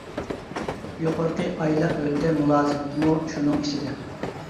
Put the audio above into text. يۇقىرىقى ئايلىق ھۆددە مۇلازىمىتىمۇ شۇنىڭ ئىچىدە.